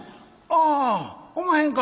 「ああおまへんか。